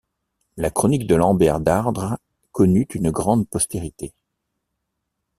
La chronique de Lambert d'Ardres connut une grande postérité.